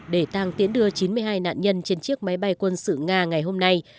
để tăng tiến đưa chín mươi hai nạn nhân trên chiếc máy bay quân sự nga ngày hôm nay